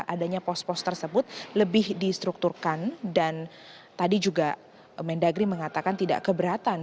adanya pos pos tersebut lebih distrukturkan dan tadi juga mendagri mengatakan tidak keberatan